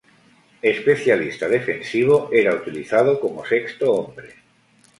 Especialista defensivo, era utilizado como sexto hombre.